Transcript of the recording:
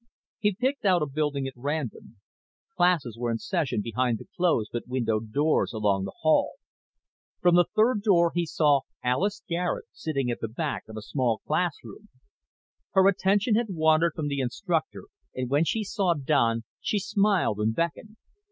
He picked out a building at random. Classes were in session behind the closed but windowed doors along the hall. From the third door he saw Alis Garet, sitting at the back of a small classroom. Her attention had wandered from the instructor and when she saw Don she smiled and beckoned.